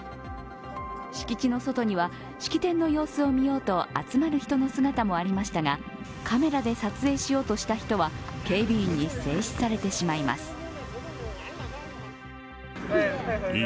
敷地の外には式典の様子を見ようと集まる人の姿もありましたが、カメラで撮影しようとした人は警備員に制止されてしまいます。